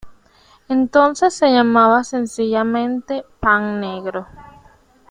Entonces se llamaba sencillamente pan negro.